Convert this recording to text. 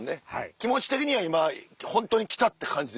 気持ち的には今本当に来たって感じで。